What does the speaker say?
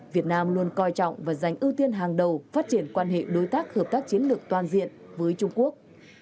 việt nam luôn coi trọng và dành ưu tiên hàng đầu phát triển quan hệ đối tác hợp tác chiến lược toàn diện với trung quốc